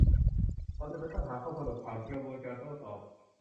เราจำเป็นต้องหาข้อสรุปผ่านกระบวนการโต้ตอบ